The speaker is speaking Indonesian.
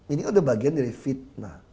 ini ada bagian dari fitnah